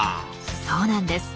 そうなんです。